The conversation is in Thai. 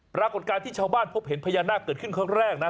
ปรากฏการณ์ที่ชาวบ้านพบเห็นพญานาคเกิดขึ้นครั้งแรกนะ